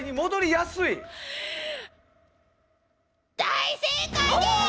大正解です！